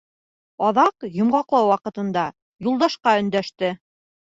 Аҙаҡ, йомғаҡлау ваҡытында, Юлдашҡа өндәште.